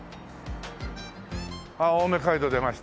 あっ青梅街道出ました。